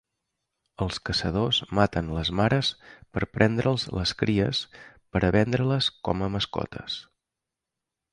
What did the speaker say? Els caçadors maten les mares per prendre'ls les cries per a vendre-les com a mascotes.